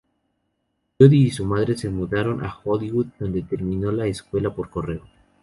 Jodi y su madre se mudaron a Hollywood, donde terminó la escuela por correo.